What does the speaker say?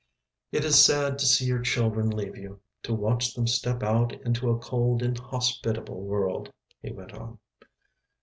"It is sad to see your children leave you. To watch them step out into a cold, inhospitable world," he went on.